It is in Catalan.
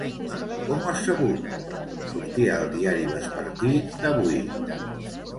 Com ho has sabut? Sortia al diari vespertí d'avui.